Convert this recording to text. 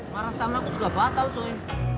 marah sama aku juga batal cuy